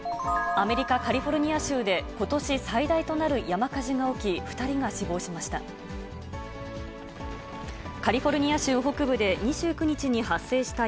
アメリカ・カリフォルニア州で、ことし最大となる山火事が起き、２人が死亡しました。